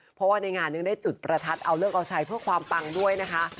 เพราะว่าในงานยังได้จุดประทัดเอาเลิกเอาชัยเพื่อความปังด้วยนะคะ